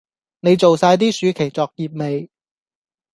你做曬啲暑期作業未？